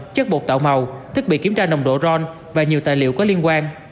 chất bột tạo màu thiết bị kiểm tra nồng độ ron và nhiều tài liệu có liên quan